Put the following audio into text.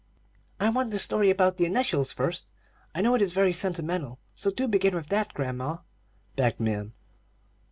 "I want the story about the initials first. I know it is very sentimental. So do begin with that, grandma," begged Min.